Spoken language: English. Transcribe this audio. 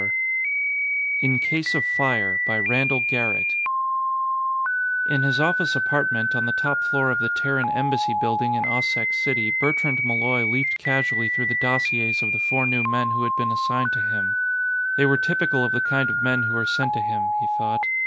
_ By RANDALL GARRETT Illustrated by Martinez In his office apartment, on the top floor of the Terran Embassy Building in Occeq City, Bertrand Malloy leafed casually through the dossiers of the four new men who had been assigned to him. They were typical of the kind of men who were sent to him, he thought.